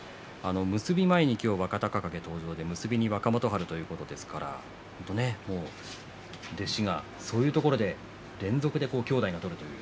結び前に今日は若隆景登場で結びに若元春ということですから弟子がそういうところで連続で兄弟で取る。